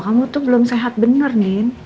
kamu tuh belum sehat bener nih